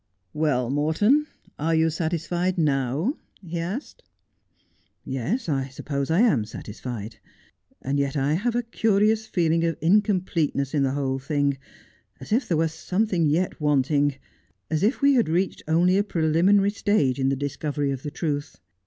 ' Well, Morton, are you satisfied now ?' he asked. ' Yes, I suppose I am satisfied ; and yet I have a curious feeling of incompleteness in the whole thing, as if there were something yet wanting — as if we had reached only a preliminary stage in the discovery of the truth.